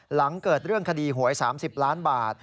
หลังเกิดเรื่องคดีหวย๓๐ล้านบาท